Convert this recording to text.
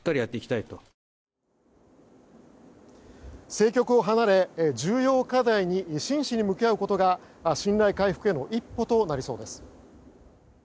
政局を離れ重要課題に真摯に向き合うことが信頼回復への一歩となりそうです。